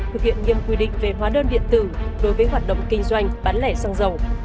thực hiện nghiêm quy định về hóa đơn điện tử đối với hoạt động kinh doanh bán lẻ xăng dầu